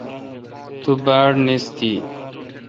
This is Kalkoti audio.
تو۔ باڑنیستی